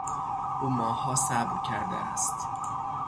او ماهها صبر کرده است.